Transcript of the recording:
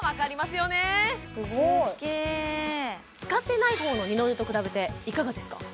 すっげ使ってない方の二の腕と比べていかがですか？